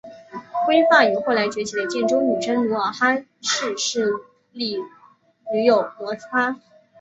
辉发与后来崛起的建州女真努尔哈赤势力屡有摩擦。